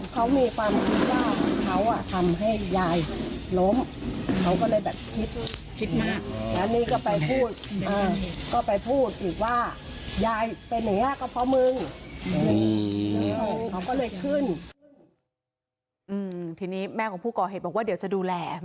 ครับเขามีความคิดว่าเขาทำให้ยายล้ม